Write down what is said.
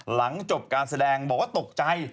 หลังจบการแสดงบอกว่าตกใจ